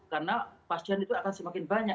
karena pasien itu akan semakin banyak